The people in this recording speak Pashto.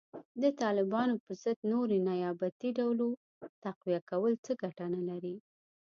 د طالبانو په ضد نورې نیابتي ډلو تقویه کول څه ګټه نه لري